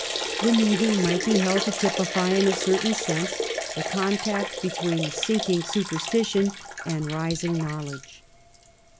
The meeting might be held to typify in a certain sense the contact between sinking superstition and rising knowledge.